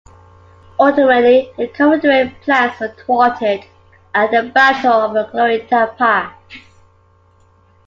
Ultimately, the Confederate plans were thwarted at the Battle of Glorieta Pass.